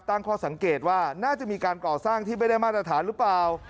ตั้งข้อสังเกตว่าน่าจะมีการก่อสร้างที่ไม่ได้มาตรฐานหรือเปล่า